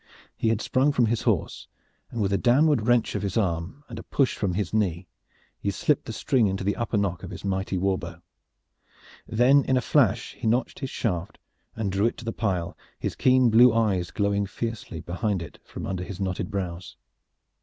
He had sprung from his horse, and with a downward wrench of his arm and a push with his knee he slipped the string into the upper nock of his mighty war bow. Then in a flash he notched his shaft and drew it to the pile, his keen blue eyes glowing fiercely behind it from under his knotted brows.